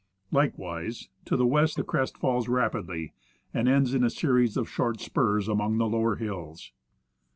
Likewise, to the west, the crest falls rapidly, and ends in a series of short spurs among the lower hills.